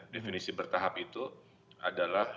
definisi bertahap itu adalah